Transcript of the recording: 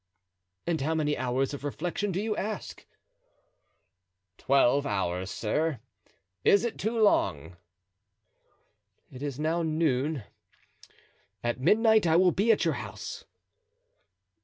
"And how many hours of reflection do you ask?" "Twelve hours, sir; is it too long?" "It is now noon; at midnight I will be at your house."